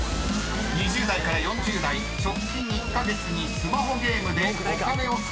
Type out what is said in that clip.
［２０代から４０代直近１カ月にスマホゲームでお金を使った人］